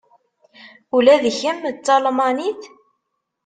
Ula d kemm d Talmanit?